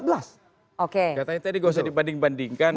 katanya tadi nggak usah dibanding bandingkan